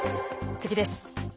次です。